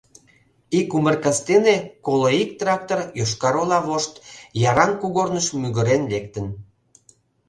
Ик умыр кастене коло ик трактор Йошкар-Ола вошт Яраҥ кугорныш мӱгырен лектын.